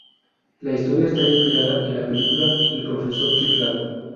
La historia está inspirada en la película "El profesor chiflado".